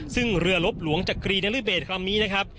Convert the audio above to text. ซึ่งเรือหลวงจักรีในฤทธิ์เบสคลามนี้นะครับ